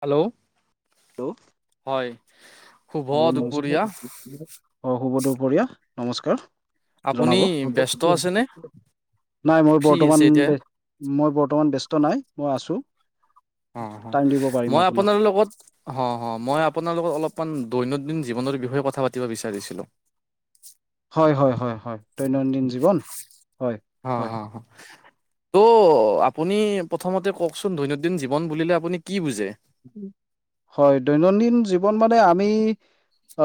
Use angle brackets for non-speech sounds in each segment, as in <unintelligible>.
Hello hello হয়। শুভ অ', শুব দুপৰীয়া দুপৰীয়া নমস্কাৰ আপুনি জনাব। ব্যস্ত আছেনে নাই মই ফ্ৰী আছে বৰ্তমান এতিয়া মই বৰ্তমান ব্যস্ত নাই মই আছো অ, অ, টাইম দিব পাৰিম মই আপোনাক আপোনাৰ লগত অ, মই আপোন আপোনা লগত অলপমান দৈনন্দিন জীৱনৰ বিষয়ে কথা পাতিব বিচাৰিছিলো। হয় হয় হয় হয় দৈনন্দিন জীৱন। হয় অ', হয় হ, হ। ত' আপুনি প্ৰথমতে কওকচোন দৈনন্দিন জীৱন বুলিলে আপুনি কি বুজে হয় দৈনন্দিন জীৱন মানে আমি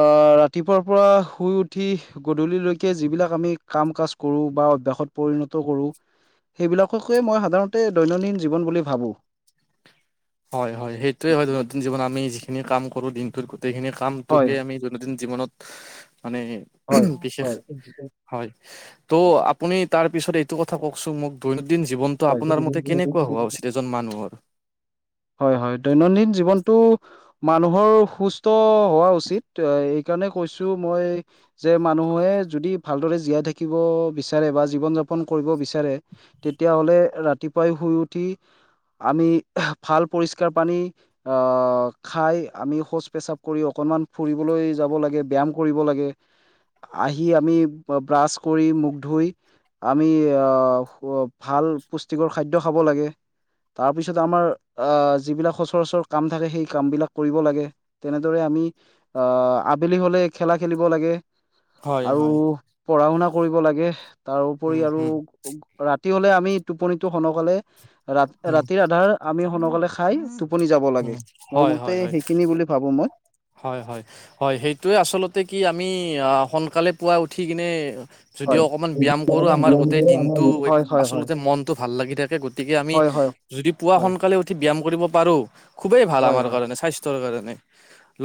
আহ ৰাতিপুৱাৰ পৰা শুই উঠি গধূলিলৈকে যিবিলাক আমি কাম কাজ কৰো বা অভাসত পৰিণত কৰোঁ সেইবিলাককয়ে মই সাধাৰণতে দৈনন্দিন জীৱন বুলি ভাবো। হয় হয় সেইটোৱে হয় দৈনন্দিন জীৱনত আমি যিখিনি কাম কৰো দিনটোত। সেইখিনি হয় কামটোকে আমি দৈনন্দিন জীৱনত মানে হয় বিশেষ হয় ত' আপুনি তাৰ পিছত এইটো কথা কওকচোন মোক দৈনন্দিন জীৱনটো আপোনাৰ মতে হয় কেনেকুৱা হোৱা হয় উচিত এজন মানুহৰ হয় হয় দৈনন্দিন জীৱনতটো মানুহৰ সুস্থ হোৱা উচিত। সেইকাৰণে কৈছো মই যে মানুহে যদি ভালদৰে জীয়াই থাকিব বিচাৰে বা জীৱন যাপন ফোন কৰিব বিচাৰে তেতিয়াহলে' ৰাতিপুৱাই শুই উঠি আমি ভাল পৰিষ্কাৰ পানী অ, খাই আমি শৌচ পেচাব কৰি অকণমান ফুৰিবলৈ য যাব লাগে ব্যায়াম কৰিব লাগে আহি আমি ব্ৰাছ কৰি মুখ ধুই আমি আহ ভাল পুষ্টিকৰ খাদ্য খাব লাগে। তাৰপিছত আমাৰ যিবিলাক সচৰাচৰ কাম থাকে সেই কামবিলাক কৰিব লাগে তেনেদৰে আমি আবেলি হ'লে খেলা খেলিব লাগে। হয় আৰু হয় পঢ়া শুনা কৰিব লাগে তাৰপৰি উম আৰু হুম ৰাতি হলে আমি টোপনিতো সোনকালে ৰা হুম ৰাতিৰ আধাৰ আমি সোনকালে খাই তো আপুনি যাব হুম লাগে, মোৰ হয় হয় মতে হয় সেইখিনি বুলি ভাবো মই। হয়, হয়, হয়, সেইটোৱে আচলতে কি আমি। যদিও হয় অকনমান ব্যয়াম হয় কৰো, আমাৰ গোটেই দিনটো হয় হয় আচলতে মনতটো ভাল লাগি থাকে। গতিকে আমি হয় হয় যদি পুৱা হয় সোনকালে উঠি ব্যায়াম কৰিব পাৰোঁ, খুবেই ভাল হয় হয় আমাৰ কাৰণে স্বাস্থ্যৰ কাৰণে।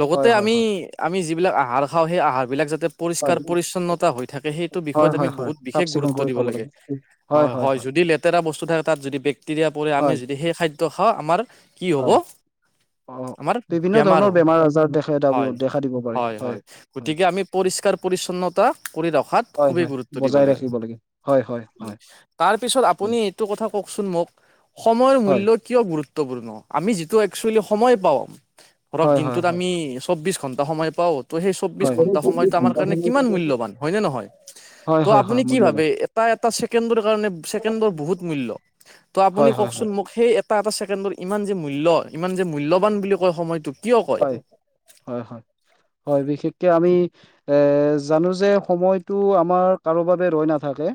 লগতে হয় আমি, হয় আমি যি বিলাক আহাৰ খাওঁ, সেই আহাৰ বিলাক যাতে পৰিষ্কাৰ পৰিচছন্নতা হৈ থাকে সেইটো হয় হয় বিষয়ত আমি হয় হয় বহুত চাফ বিশেষ চিকুণ গুৰুত্ব কৰি দিব খাব লাগে। হয়, হয়। যদি লেতেৰা বস্তু থাকে, তাত যদি বেক্টেৰিয়া পৰে, আমি হয় যদি সেই খাদ্য খাওঁ আমাৰ কি হ'ব? হয় অ আমাৰ বিভিন্ন বেমাৰ ধৰণৰ হ'ব। আজাৰ দেখা হয়, দেখা দিব পাৰে হয়, হয়। হয় গতিকে আমি পৰিষ্কাৰ পৰি্ছন্নতা কৰি ৰখাত হয় খুবেই হয় গুৰুত্ব দিব বজাই লাগে। ৰাখিব হয় হয় হয় তাৰপিছত আপুনি এইটো কথা কওকচোন মোক সময়ৰ হয় মূল্য কিয় গুৰুত্ব। গুৰুতপূৰ্ণ, আমি যিটো একচুৱেলি সময় পাওঁ ধৰক হয় হয় দিনটোত আমি চৌববিশ ঘণ্টা সময় পাওঁ ত' সেই চৌবিশ হয় হয় ঘণ্টা সময়তটো আমাৰ কাৰণে কিমান মূল্যবান। হয়নে নহয়? হয় ত', হয় হয় আপুনি কি মূল্যবান ভাবে এটা এটা ছেকেণ্ডৰ কাৰণে, ছেকেণ্ডৰ বহুত মূল্য। ত', আপুনি হয় ক হয় হয় চোন মোক, সেই এটা এটা ছেকেণ্ডৰ ইমান যে মূল্য ইমান যে মূল্যবান বুলি কয় সময়টো কিয়? কয় হয়, হয়, হয়, হয়। বিশেষকে আমি এ, জানো যে সময়টো আমাৰ কাৰো বাবে ৰৈ নাথাকে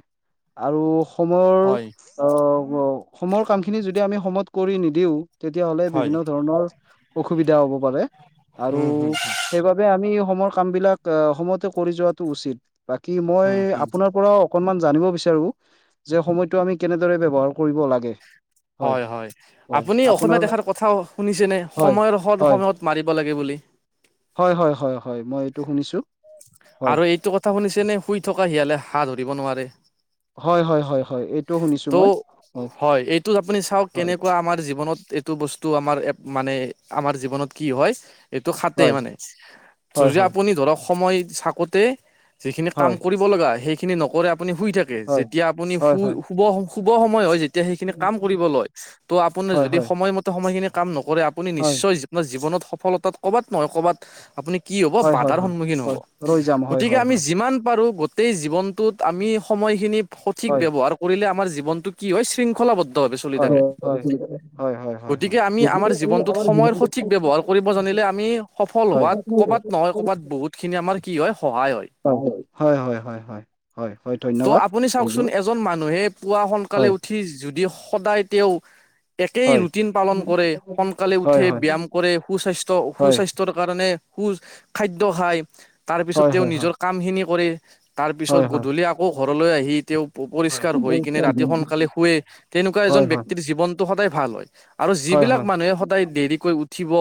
আৰু সময়ৰ হয় অহ, সময়ৰ কামখিনি যদি আমি সময়ত কৰি নিদিওঁ তেতিয়াাহলে হয় বিভিন্ন ধৰণৰ অসুবিধা হ'ব পাৰে আৰু উম, হুম, সেইবাবে আমি সময়ৰ কামবিলাক সময়তে কৰি যোৱাটো উচিত, বাকি হুম, মই হুম, আপোনাৰ পৰা অকনমান জানিব বিচাৰো যে সময়টো আমি কেনেদৰে ব্যৱহাৰ কৰিব লাগে। হয় হয় হয় আপুনি আপোনাৰ অসমীয়াত এখাৰ কথা শুনিছেনে হয় সময়ৰ সদ হয় সময়ত মাৰিব লাগে বুলি। হয় হয় হয় হয়। মই এইটো শুনিছো হয় আৰু এইটো কথা শুনিছে নে শুই থকা শিয়ালে হাঁহ ধৰিব নোৱাৰে। হয় হয় হয় হয় এইটোও শুনিছো ত' মই। হয় এইটো আপুনি চাওক হয় কেনেকুৱা আমাৰ জীৱনত এইটো বস্তু টো আমাৰ এ মানে আমাৰ জীৱনত কি হয় এইটো খাটে মানে হয় যজি হয় আপুনি ধৰক সময় চাকোতে যিখিনি কাম হয় কৰিব লগা সেইখিনি নকৰে আপুনি শুই থাকে, হয় যেতিয়া আপুনি হয় হয় হয় শু শুভ, শুভ সময় হয় তেতিয়া সেইখিনি কাম কৰিব লয়, ত' আপুনি হয় হয় যদি হয় সময়মতে সময়খিনি কাম নক কৰে, আপুনি নিশ্চয় জী জীৱনত সফলতাত ক'বাত নহয় ক'বাত আপুনি কি হ'ব হয় হয় বাধাৰ হয় সন্মুখীন হ'ব। হয় ৰৈ যাম হয় গতিকে হয় আমি হয় যিমান পাৰো গোটেই জীৱনটোত আমি সময়খিনি সঠিক হয় ব্যৱহাৰ কৰিলে। আমাৰ জীৱনটো কি হয় শৃংখলাবদ্ধ। তহতে চলি হয় থাকে। হয় হয় হয় হয় গতিকে আমি আমাৰ জীৱনটোত সময়ৰ সঠিক ব্যৱহাৰ কৰিব জানিলে। আমি সফল হয় হোৱাত হয় কবাত নহয় কবাত বহুত খিনি আমাৰ কি হয় সহায় হয়। হয় হয় হয় হয় হয় হয় ত' ধন্যবাদ আপুনি চাওকচোন এজন মানুহে পুৱা সোনকালে হয় উঠি। উঠি যদি সদায় তেওঁ। একেই হয় ৰুটিন পালন কৰে। সোনকালে হয় উঠে হয় ব্যায়াম কৰে সুস্বাস্থ্য হয় সুস্বাস্থ্যৰ কাৰণে। খুজ, খাদ্য খায়, তাৰপিছত হয় তেওঁ হয় নিজৰ কামখিনি কৰে। তাৰ পিছত হয় হয় গধূলি আকৌ ঘৰলৈ আহি তেওঁ। পৰিষ্কাৰ হৈ কিনে ৰাতি সোনকালে শুৱে, তেনেকুৱা এজন হয় হয় হয় ব্যক্তিৰ জীৱনতটো সদায় ভাল হয়। আৰু হয় হয় যিবিলাক হয় মানুহে সদায় দেৰিকৈ উঠিব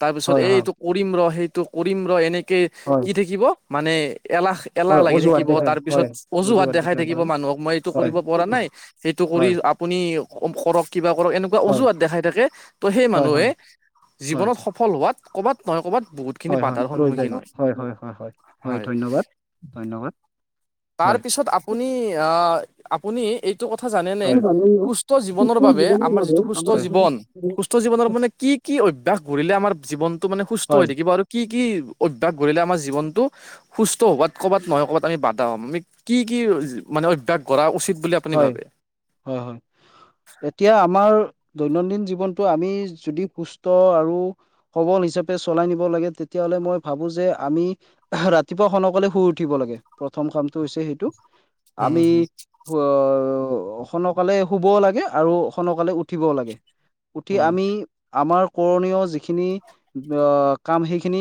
তাৰ পিছত হয় এইটো কৰিম ৰ, সেই টো কৰিম ৰ, এনেক হয় হয় কি থাকিব মানে এলাহ, এলাহ হয় লাগি অজুহাত থাকিব। দেখাই তাৰ হয় পিছত অজুহাত দেখাই থাকিব হয় মানুহ হ মই এইটো হয় কৰিব পৰা নাই, সেইটো কৰি হয় আপুনি কৰক, কিবা কৰক এনেকুৱা হয় অজুহাত দেখাই থাকে। ত' সেই হয় মানুহে হয় জীৱনত সফল হোৱাত ক'বাত নহয় ক'বাত খিনি হয় হয় হয় বাধাৰ ৰৈ যায় সন্মুখীন হয়। হয় হয় হয়'। ধন্যবাদ ধন্যবাদ হয় তাৰপিছত আপুনি আহ আপুনি এইটো কথা জানেনে হয় হয় সুস্থ জীৱনৰ বাবে আমাৰ যিটো সুস্থ জীৱন সুস্থ জীৱনৰ মানে কি কি অভ্যাস গঢ়িলে আমাৰ জীৱনটো মানে সুস্থ হয় হৈ থাকিব আৰু কি কি অভ্যাস গঢ়িলে আমাৰ জৱনটো সুস্থ হোৱাত ক'বাত নহয় ক'বাত আমি বা আমি কি কি মানে অভ্যাস গঢ়া উচিত বুলি আপুনি হয় ভাবে হয় হয় এতিয়া আমাৰ দৈনন্দিন জীৱনতটো আমি যদি সুস্থ আৰু সবল হিচাপে চলাই নিব লাগে তেতিয়া ফালে মই ভাবো যে আমি ৰাতিপুৱা সনকালে শুই উঠিব লাগে, প্ৰথম কাম টো হৈছে সেইটো উম, আমি হম, আৰু সনকালে শুবও লাগে আৰু সনকালে উঠিবও লাগে। উঠি উম, আমি আমাৰ কৰণীয় যিখিনি কাম সেইখিনি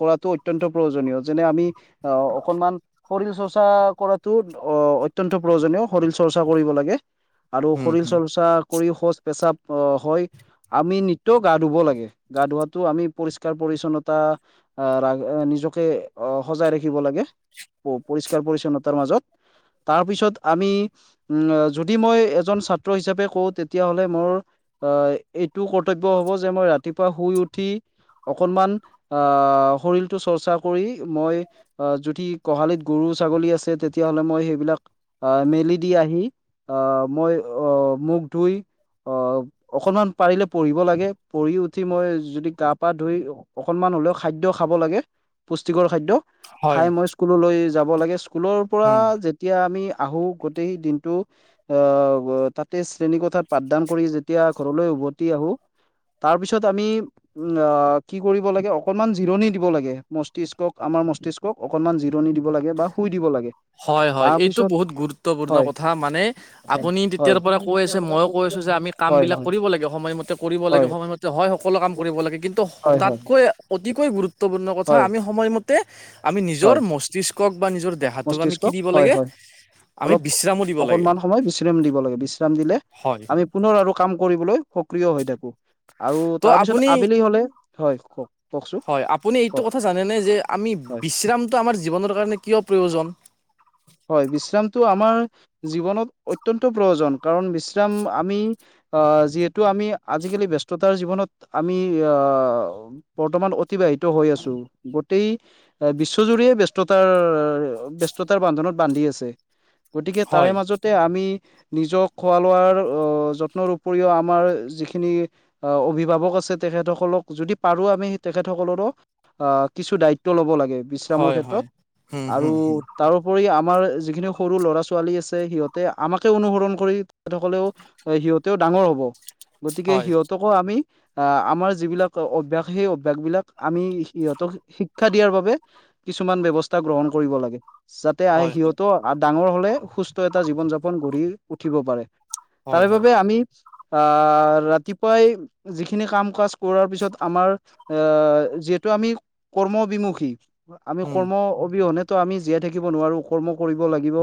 কৰাটো অত্যন্ত প্ৰয়োজনীয়, যেনে আম আমি অ অকণমান শৰীৰ চৰ্চা কৰাটো অত্যন্ত প্ৰয়োজনীয় শৰীৰ চৰ্চা কৰিব লাগে আৰু হম, শৰীৰ হম, চৰ্চা কৰি শৌচ পেচাব হয় আমি নিতৌ গা ধুব লাগে গা ধুৱাতটো আমি পৰিষ্কাৰ পৰি পৰিচ্ছন্নতা আহ নিজকে আহ সজাই ৰাখিব লাগে। পৰিষ্কাৰ- পৰিচ্ছন্নতাৰ মাজত তাৰপিছত। আমি যদি মই এজন ছাত্ৰ হিচাপে কওঁ তেতিয়া হ'লে মোৰ এইটো কৰ্তব্য হ'ব যে মই ৰাতিপুৱা শুই উঠি অকনমান আহ শৰীৰটো চৰ্চা কৰি মই আহ যদি গোহালিত গৰু ছাগলী আছে তেতিয়া হ'লে মই সেইবিলাক আহ মেলি দি আহি আহ মই আহ মূখ ধুই অ অকনমান পাৰিলে পঢ়িব লাগে পঢ়ি উঠি মই যদি গা পা ধুই অকনমান হ'লেও খাদ্য খাব লাগে পুষ্টিকৰ খাদ্য। হয়, খাই মই স্কুললৈ যাব লাগে স্কুলৰ পৰা উম। যেতিয়া আমি আহো গোটেই দিনটো আহ তাতে শ্ৰেণী কোঠাত পাঠদান কৰি যেতিয়া ঘৰলৈ উভতি আহো তাৰ পিছত আমি উম কি কৰিব লাগে অকণমান জিৰণি দিব লাগে মস্তিষ্কক আমাৰ মস্তিষ্কক অকণমান জিৰণি দিব লাগে বা শুই দিব লাগে হয় হয় তাৰ এইটো পিছত বহুত গুৰুত্বপূৰ্ণ হয় কথা মানে আপুনি হয় তেতিয়াৰ হয় পৰা কৈ আছে মইও কৈ আছো যে আমি কাম হয় বিলাক হয় কৰিব লাগে। সময়মতে কৰিব লাগে সময়মতে হয় সকলো কাম কৰিব লাগে কিন্তু হয় হয় তাতকৈ অতিকৈ গুৰুত্ব গুৰুত্বপূৰ্ণ কথা হয় আমি সময়মতে আমি নিজৰ হয় মস্তিষ্কক বা নিজৰ দেহাটোক আমি মস্তিষ্ক কি দিব হয় লাগে। হয় আমি অলপ বিশ্ৰামো দিব লাগে অকনমান সময় বিশ্ৰাম দিব লাগে বিশ্ৰাম দিলে হয় আমি পুনৰ আৰু কাম কৰিবলৈ সক্ৰিয় হৈ থাকো আৰু ত' তাৰপিছত আপুনি আবেলি হলে হয় কওক কওকচোন হয় আপুনি এইটো কওক কথা জানেনে যে আমি হয় বিশ্ৰামটো আমাৰ জীৱনৰ কাৰণে কিয় প্ৰয়োজন? হয় বিশ্ৰামটো আমাৰ, জীৱনত অত্যন্ত প্ৰয়োজন কাৰণ বিশ্ৰাম আমি আহ যিহেতু আমি আজিকালি ব্যস্ততাৰ জীৱনত আমি আহ বৰ্তমান উ অতিবাহিত হৈ আছো। গোটেই বিশ্বজুৰিৱে ব্যস্ততাৰ-ব্যস্ততাৰ বান্ধনত বান্ধি আছে। গতিকে তাৰে হয় মাজতে আমি নিজক খোৱা লোৱাৰ, আহ যত্নৰ উপৰিও আমাৰ, যিখিনি অভিভাৱক আছ ছে তেখেতসকলক যদি পাৰোঁ আমি তেখেতসকলৰো, কিছু দায়িত্ব ল'ব লাগে। বিশ্ৰামৰ হয় ক্ষেত্ৰত, হয় হম আৰু হম তাৰওপৰিও আমাৰ যিখিনি সৰু ল'ৰা ছোৱালী আছে সিহঁত আমাকে অনুসৰণ কৰি তেখেতসকলেও সিহঁত টো ডাঙৰ হ'ব, গতিকে হয় সিহঁতকো আমি আহ আমাৰ যিবিলাক অভ্যাস সেই অভ্যাস বিলাক আমি সিহঁতক শিক্ষা দিয়াৰ বাবে কিছুমান ব্যৱস্থা গ্ৰহণ কৰিব লাগে। যাতে আই হয় হয় হয় সিহঁতেও ডাঙৰ হলে সুস্থ এটা জীৱন যাপন গঢ়ি উঠিব পাৰে। হয় তাৰে হয় বাবে আমি আহ ৰাতিপুৱাই, যিখিনি কাম কাজ কৰাৰ পিছত আমাৰ এ যি হেটো আমি কৰ্মবিমুখী আমি হম কৰ্ম অবিহনেতো আমি জীয়াই থাকিব নোৱাৰো কৰ্ম কৰিব লাগিব।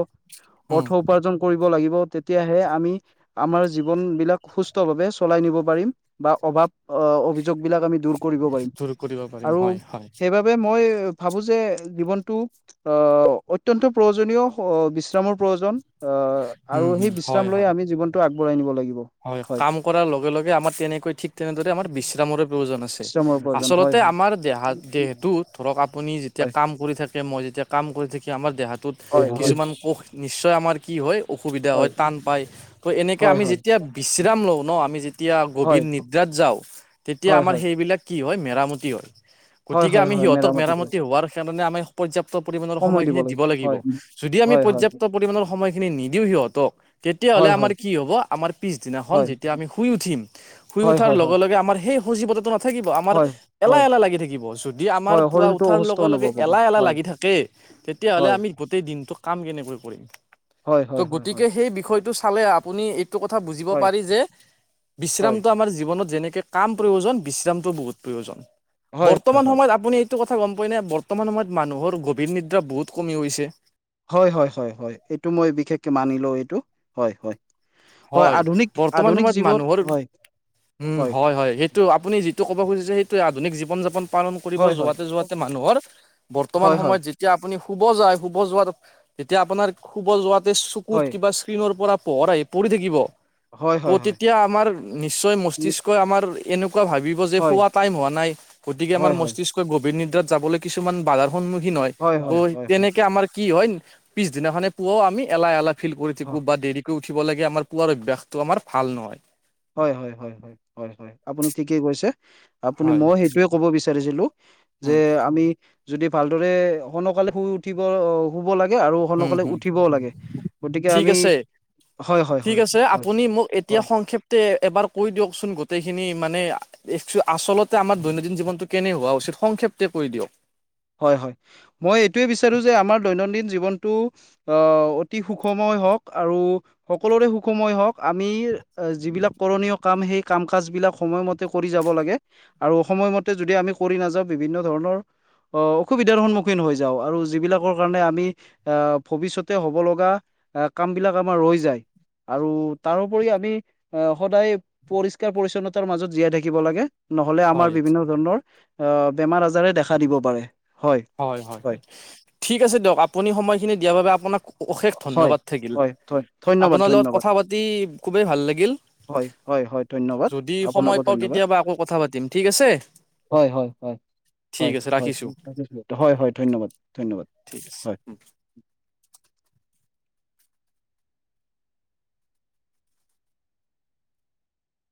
হম অৰ্থ উপাৰ্জন কৰিব লাগিব তেতিয়াহে আমি আমাৰ জীৱনবিলাক সুস্থভাৱে চলাই নিব পাৰিম বা অভাৱ অভিযোগ বিলাক আমি দূৰ কৰিব পাৰিম, দূৰ কৰিব পাৰিম আৰু হয় হয় সেইবাবে মই ভাবো যে জীৱনটো অহ অত্যন্ত প্ৰয়োজনীয় বিশ্ৰামৰ প্ৰয়োজন অ' আৰু উম সেই হম বিশ্ৰাম হয় লৈ হয় আমি জীৱনটো আগবঢ়াই নিব লাগিব। হয় কাম কৰাৰ লগে লগে আমাৰ তেনেকৈ ঠিক তেনেদৰে আমাৰ বিশ্ৰামৰে প্ৰয়োজন আছে, বিশ্ৰামৰ প্ৰয়োজন আচলতে হয় তে হয় আমাৰ দেহা দেহটো ধৰক আপুনি যেতিয়া কাম কৰি থাকে মই যেতিয়া কাম কৰি থাকি আমাৰ দেহাটোত হয় হয় কিছুমান কোষ নিশ্চয় আমাৰ কি হয় অসুবিধা হয় টান পায় তো এনেকৈ হয় আমি যি বিশ্ৰাম লওঁ ন আমি যেতিয়া গভীৰ হয় নিদ্ৰাত যাওঁ তেতিয়া হয় হয় আমাৰ হয় সেইবিলাক কি হয় মেৰামতি হয়'ল। হয় হয় গতিকে হয় আমি হয় সিহঁতক হয় মেৰামতি হোৱাৰ কাৰণে আমি পৰ্যাপ্ত পৰিমানৰ সময়খিনি দিব লাগিব যদি আমি হয় হয় পৰ্যাপ্ত পৰিমণৰ সময়খিনি নিদিওঁ সিহঁতক তেতিয়াহলে হয় আমাৰ হয় কি হ'ব আমাৰ পি- পিচদিনাখন হয় যেতিয়া আমি শুই উঠিম শুই হয় উঠাৰ হয় লগে লগে আমাৰ সেই সজীৱতাটো থাকিব আমাৰ হয় হয় এলাহ হয় এলাহ লাগি থাকিব যদি আমাৰ হয় পুৱা শৰীৰটো উঠাৰ অসুস্থ লগে লগে অনুভৱ হ'ব এলাহ এলাহ হয় লাগি থাকে তেতিয়াহলে হয় আমি গোটেই দিনটো কাম কেনেকৈ কৰিম হয় ত হয় হয় হয় গতিকে সেই বিষয়টো খালে আপুনি এইটো কথা বুজিব হয় পাৰি যে, হয় বিশ্ৰামটো আমাৰ জীৱনত যেনে কাম প্ৰয়োজন বিশ্ৰামটো বহুত প্ৰয়োজন। হয় হয় বৰ্তমান হয় সময়ত আপুনি এটা কথা গম পাই নে বৰ্তমান সময়ত মানুহৰ গভীৰ নিদ্ৰা বহুত কমি গৈছে হয় হয় হয় হয় এইটো মই বিশেষকে মানি লওঁ এইটো হয় হয় হয় আধুনিক বৰ্তমান আধুনিক সময়ত জীৱন মানুহৰ, হয় উম হয় হয়-হয়, সেই ত আপুনি যিটো ক'ব খুজিছে সেইটোৱে আধুনিক জীৱন যাপন পালন কৰিব হয় হয় যোৱাতে যোৱাতে মানুহৰ বৰ্তমান হয় সময়ত যেতিয়া আপুনি শুব যায় শুব যোৱাত যেতিয়া আপোনাৰ শুব যোৱাতে চকুত হয় কিবা স্কিনৰ পৰা পোহৰ আহি পৰি থাকিব, হয় হয় হয় ত' হয় তেতিয়া আমাৰ নিশ্চয় নি- মসিষ্ক আমাৰ এনেকুৱা ভাবিব যে হয় শুৱা টাইম হোৱা নাই গতিকে আমাৰ হয় হয় মস্তিষ্কই গভীৰ নিদ্ৰাত যাবলৈ কিছুমান বাধা সন্মুখীন হয় ত' হয় হয় হয় তেনেকে আমাৰ কি হয় পিছদিনাখনে পুৱা আমি এলাহ এলাহ ফিল কৰি থাকো হয় বা দেৰিকৈ উঠ ক <unintelligible> লে আমাৰ পুৱাৰ অভ্যাসটো আমাৰ ভাল নহয়। হয় হয় হয় হয় আপুনি ঠিকেই কৈছে আপুনি হয়, মই সেইটোয়ে কব বিচাৰিছিলো যে, উম, আমি যদি ভালদৰে সো-নকালে শুই উঠিব আহ শুব লাগে আৰু উম, সো-নকালে উম। উঠিবও লাগে গতিকে ঠিক আমি আছে হয় হয় ঠিক হয় আছে হয় আপুনি মোক হয় এতিয়া সংক্ষেপ্তে এবাৰ কৈ দিয়কচোন গোটেইখিনি খিনি মানে আচলতে আমাক দৈনন্দিন জীৱনটো কেনে হোৱা উচিত সংক্ষেপ্তে কৰি দিয়ক হয় হয় মই এইটোয়ে বিচাৰো যে আমাৰ দৈনন্দিন জীৱনটো আহ অতি সুখময় হওক আৰু সকলোৰে সুখময় হওক আমি এ যিবিলাক কৰণীয় কাম সেই কাম কাজ বিলাক সময়মতে কৰি যাব লাগে আৰু সময়মতে যদি আমি কৰি নাযাওঁ বিভিন্ন ধৰণৰ অহ অসুবিধাৰ সন্মুখীন হৈ যাওঁ আৰু যিবিলাকৰ কাৰণে আমি আহ ভৱিষ্যতে হব লগা কাম বিলাক আমাৰ ৰৈ যায় আৰু তাৰপৰি আমি আহ সদায় পৰিষ্কাৰ পৰিচ্ছন্নতাৰ মাজত জীয়াই থাকিব লাগে। নহ'লে আমাৰ হয় বিভিন্ন ধৰণৰ অহ বেমাৰ আজাৰে দেখা দিব পাৰে হয় হয় হয় হয় ঠিক আছে দিয়ক আপুনি সময়খিনি দিয়াৰ বাবে আপোনাক অশেষ হয়, ধন্যবাদ থাকিল হয়, হয়, ধন্যবাদ, আপোনাৰ লগত ধন্যবাদ, কথা পাতি খুবেই ভাল লাগিল। হয়, হয়, হয়, ধন্যবাদ, যদি সময় আপোনাকো পাও কেতিয়াবা আকৌ কথা পাতিম ঠিক আছে হয়-হয়। ঠিক আছে ৰাখিছো হয় হয় ধন্যবাদ ধন্যবাদ ঠিক আছে হয়